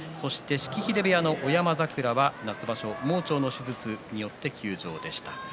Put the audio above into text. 式秀部屋の小山桜は夏場所盲腸の手術によって休場でした。